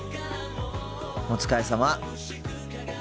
お疲れさま。